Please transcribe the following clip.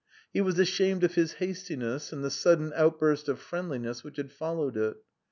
He was ashamed of his hastiness and the sudden outburst of friendliness which had followed it.